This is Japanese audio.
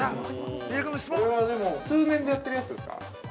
でも、通年でやってるやつですか。